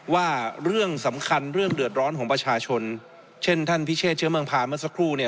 ว่าเรื่องสำคัญเรื่องเดือดร้อนของประชาชนเช่นท่านพิเชษเชื้อเมืองพานเมื่อสักครู่เนี่ย